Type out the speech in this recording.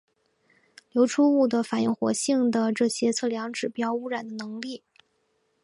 流出物的反应活性的这些测量指示污染的能力。